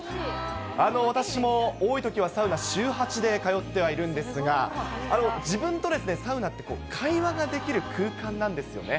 私も多いときはサウナ、週８で通ってはいるんですが、自分とサウナって会話ができる空間なんですよね。